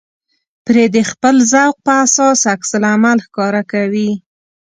پرې د خپل ذوق په اساس عکس العمل ښکاره کوي.